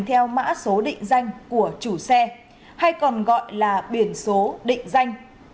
theo mã số định danh của chủ xe hay còn gọi là biển số định danh